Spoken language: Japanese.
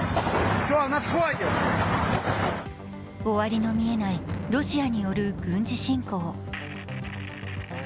終わりの見えないロシアによる軍事侵攻。